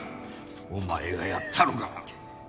お前がやったのか？